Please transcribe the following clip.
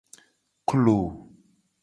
Klo.